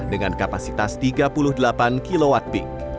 dengan kapasitas tiga puluh delapan kwp